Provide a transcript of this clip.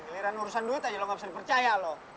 jaliran urusan duit aja lu gak bisa dipercaya loh